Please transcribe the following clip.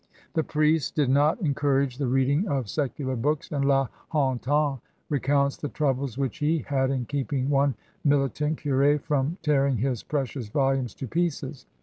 The priests did not encourage the reading of secular books, and La Hontan recounts the troubles which he had in keeping one militant curS from tearing his precious volumes to pieces.